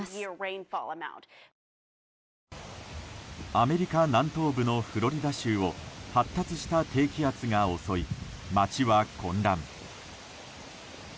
アメリカ南東部のフロリダ州を発達した低気圧が襲い街は混乱。